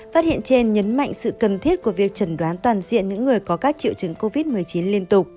phát hiện trên nhấn mạnh sự cần thiết của việc trần đoán toàn diện những người có các triệu chứng covid một mươi chín liên tục